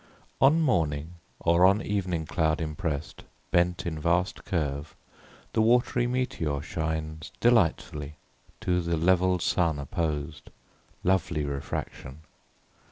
On morning or on evening cloud impress'd, Bent in vast curve, the watery meteor shines Delightfully, to th' levell'd sun opposed: Lovely refraction